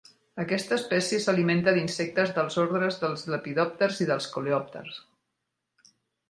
Aquesta espècie s'alimenta d'insectes dels ordres dels lepidòpters i coleòpter.